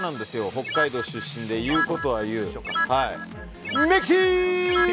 北海道出身で言うことは言う。